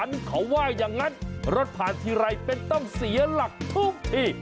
เขาว่าอย่างนั้นรถผ่านทีไรเป็นต้องเสียหลักทุกที